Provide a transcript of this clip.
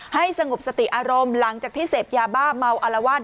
สงบสติอารมณ์หลังจากที่เสพยาบ้าเมาอารวาส